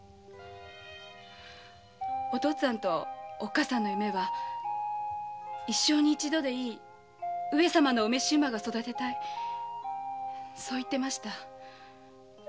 お父っつぁんとおっかさんの夢は一生に一度でいい上様の御召馬を育てたいそう言っていました。